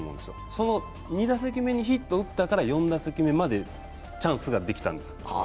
その２打席目にヒットを打ったから４打席目までチャンスができたんです。